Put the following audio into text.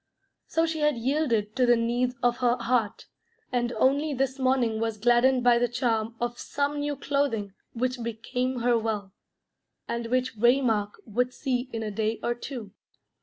So she had yielded to the needs of her heart, and only this morning was gladdened by the charm of some new clothing which became her well, and which Waymark would see in a day or two.